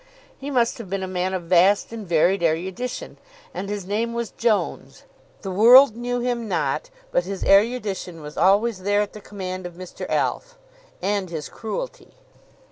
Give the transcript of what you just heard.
He must have been a man of vast and varied erudition, and his name was Jones. The world knew him not, but his erudition was always there at the command of Mr. Alf, and his cruelty.